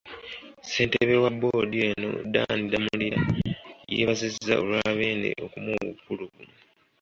Ssentebe wa boodi eno Dan Damulira, yeebazizza olwa Beene okumuwa obukulu buno.